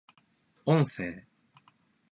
音声